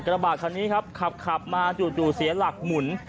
กระบาดคันนี้ครับขับมาจู่เสียหลักหมุน